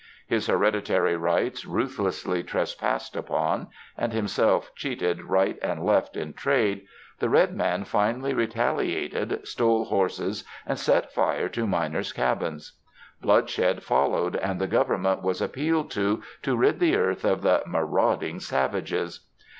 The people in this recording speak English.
His hereditary rights ruthlessly tres passed upon, and himself cheated right and left in trade, the red man finally retaliated, stole horses and set fire to miners' cabins. Bloodshed followed and the Government was appealed to, to rid the earth of "the marauding savages."